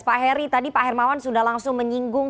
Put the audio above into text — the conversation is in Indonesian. pak heri tadi pak hermawan sudah langsung menyinggung